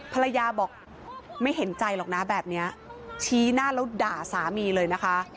ภรรยาบอกไม่เห็นใจหรอกนะแบบนี้ชี้หน้าแล้วด่าสามีเลยนะคะ